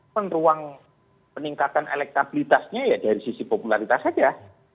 peneruang peningkatan elektabilitasnya ya dari sisi popularitas saja